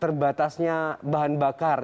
terbatasnya bahan bakar